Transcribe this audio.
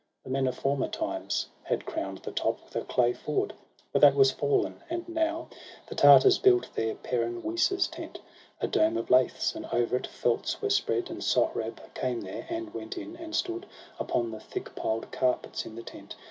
The men of former times had crown'd the top With a clay fort; but that was fall'n, and now The Tartars built there Peran Wisa's tent, A dome of laths, and o'er it felts were spread. And Sohrab came there, and went in, and stood Upon the thick piled carpets in the tent.